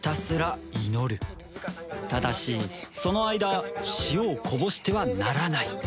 ただしその間塩をこぼしてはならない。